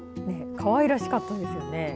かわいらしかったですね。